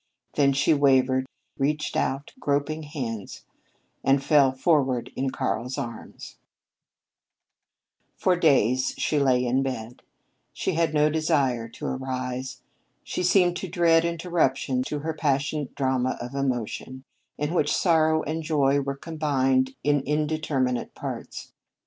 Then she wavered, reached out groping hands, and fell forward in Karl's arms. For days she lay in her bed. She had no desire to arise. She seemed to dread interruption to her passionate drama of emotion, in which sorrow and joy were combined in indeterminate parts.